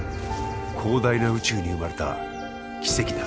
広大な宇宙に生まれた奇跡だ。